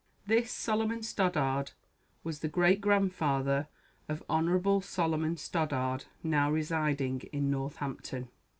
This Solomon Stoddard was the great grandfather of Hon. Solomon Stoddard, now residing in Northampton.